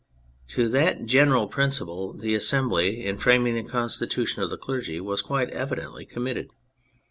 To that general principle the Assembly, in fram ing the Constitution of the Clergy, was quite evidently committed.